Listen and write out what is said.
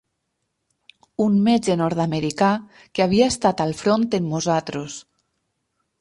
Un metge nord-americà que havia estat al front amb nosaltres